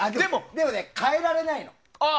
でも変えられないの。